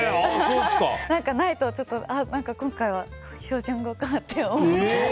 ないと今回は標準語かって思う。